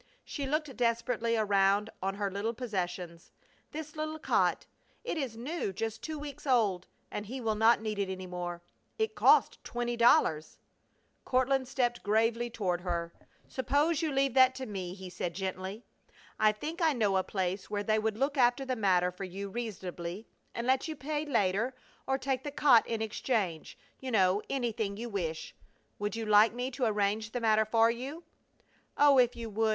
She looked desperately around on her little possessions. "This little cot! It is new just two weeks ago and he will not need it any more. It cost twenty dollars!" Courtland stepped gravely toward her. "Suppose you leave that to me," he said, gently. "I think I know a place where they would look after the matter for you reasonably and let you pay later or take the cot in exchange, you know, anything you wish. Would you like me to arrange the matter for you?" "Oh, if you would!"